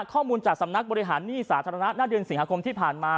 ข้อมูลจากสำนักบริหารหนี้สาธารณะหน้าเดือนสิงหาคมที่ผ่านมา